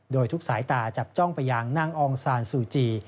โดยทุกสายตาจับจ้องไปยังนางองซานซูจี